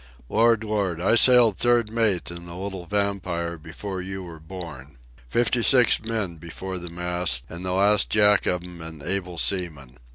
"Lord! Lord! I sailed third mate in the little Vampire before you were born. Fifty six men before the mast, and the last Jack of 'em an able seaman.